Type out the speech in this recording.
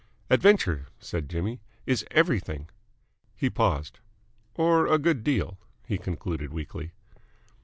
"Adventure," said Jimmy, "is everything." He paused. "Or a good deal," he concluded weakly.